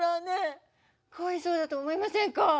ねえかわいそうだと思いませんか？